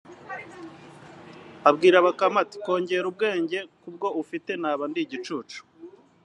abwira Bakame ati “Nkongereye ubwenge ku bwo ufite naba ndi igicucu